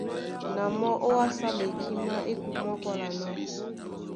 Na mɔ́ ówásá ɓekímá é kumwá kwála ná: